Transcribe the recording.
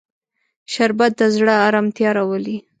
شربت د زړه ارامتیا راولي